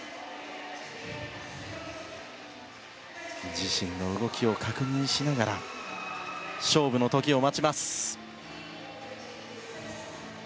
自身の動きを確認しながら勝負の時を待ちます。